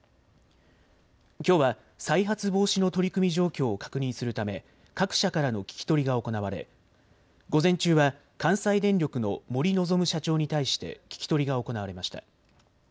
きょうは再発防止の取り組み状況を確認するため各社からの聞き取りが行われ午前中は関西電力の森望社長に対して聞き取りが行われました。